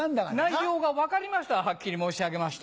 内容が分かりましたはっきり申し上げまして。